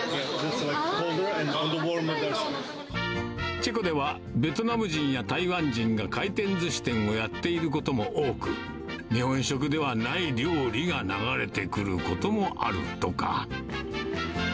チェコでは、ベトナム人や台湾人が回転ずし店をやっていることも多く、日本食ではない料理が流れてくることもあるとか。